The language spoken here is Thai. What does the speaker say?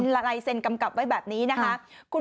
ลายเซ็นกำกับไว้แบบนี้นะคะ